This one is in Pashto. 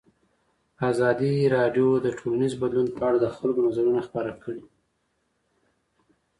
ازادي راډیو د ټولنیز بدلون په اړه د خلکو نظرونه خپاره کړي.